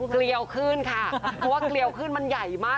เกลียวขึ้นค่ะเพราะว่าเกลียวขึ้นมันใหญ่มาก